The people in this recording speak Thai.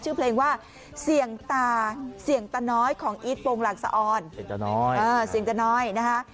ชื่อเพลงว่าเสี่ยงตาเสี่ยงตะน้อยของอีทโปรงหลังสะออนเสียงตาน้อยเสียงจะน้อยนะคะ